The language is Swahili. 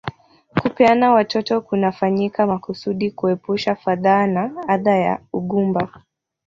Kupeana watoto kunafanyika makusudi kuepusha fadhaa na adha ya ugumba